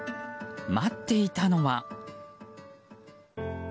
待っていたのは。